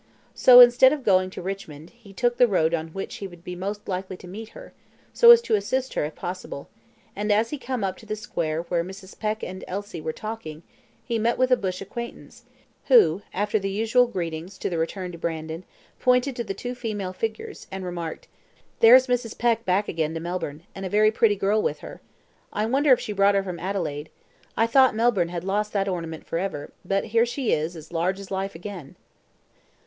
So, instead of going to Richmond, he took the road on which he would be most likely to meet her, so as to assist her if possible, and as he came up to the square where Mrs. Peck and Elsie were talking, he met with a bush acquaintance, who, after the usual greetings to the returned Brandon, pointed to the two female figures, and remarked "There's Mrs. Peck back again to Melbourne, and a very pretty girl with her. I wonder if she brought her from Adelaide. I thought Melbourne had lost that ornament for ever, but here she is as large as life again."